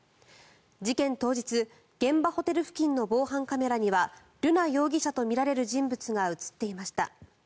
事件当日、現場ホテル付近の防犯カメラには瑠奈容疑者とみられる人物が映っていました。